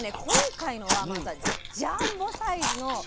今回のは天野さんジャンボサイズの。